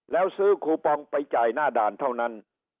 แล้วซื้อคูปองไปจ่ายหน้าด่านเท่านั้น